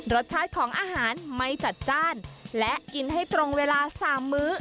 รสชาติของอาหารไม่จัดจ้านและกินให้ตรงเวลาสามมื้อ